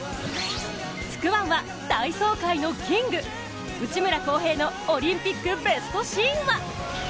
「つくワン」は体操界のキング内村航平のオリンピックベストシーンは？